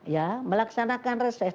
ya melaksanakan reses